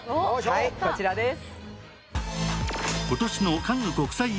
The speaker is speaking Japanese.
はいこちらです